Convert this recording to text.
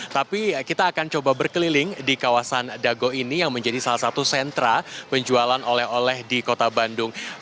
tapi kita akan coba berkeliling di kawasan dago ini yang menjadi salah satu sentra penjualan oleh oleh di kota bandung